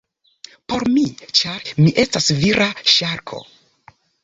Por mi, ĉar mi estas vira ŝarko.